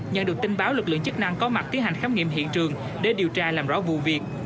nhận được tin báo lực lượng chức năng có mặt tiến hành khám nghiệm hiện trường để điều tra làm rõ vụ việc